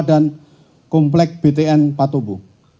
dan komplek btn patobu